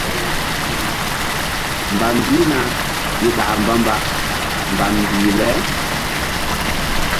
Mbam mbihna i ɗaka mbamba mbam mbih le.